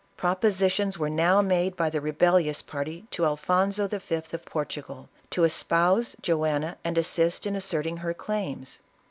Propositions were now made by the rebellious party to Alfonso V. of Portugal, to espouse Joanna and assist in asserting her claims.